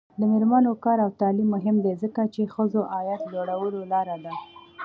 د میرمنو کار او تعلیم مهم دی ځکه چې ښځو عاید لوړولو لاره ده.